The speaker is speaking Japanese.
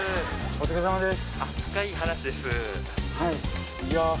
お疲れさまです。